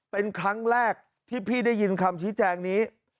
เป็นครั้งแรกที่พี่ได้ยินคำชี้แจงนี้